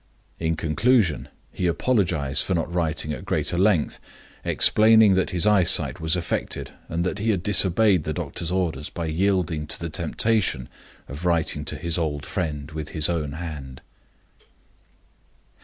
In conclusion, he apologized for not writing at greater length; explaining that his sight was affected, and that he had disobeyed the doctor's orders by yielding to the temptation of writing to his old friend with his own hand.